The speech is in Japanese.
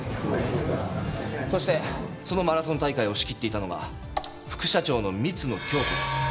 そしてそのマラソン大会を仕切っていたのが副社長の光野響子です。